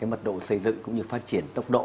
mật độ xây dựng cũng như phát triển tốc độ